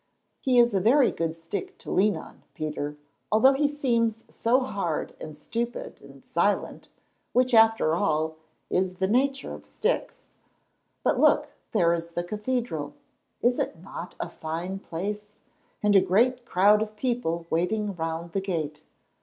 He is a very good stick to lean on, Peter, although he seems so hard and stupid and silent, which, after all, is in the nature of sticks. But look, there is the cathedral—is it not a fine place?—and a great crowd of people waiting round the gate.